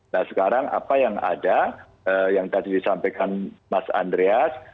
nah sekarang apa yang ada yang tadi disampaikan mas andreas